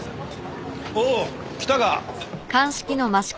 おう来たか。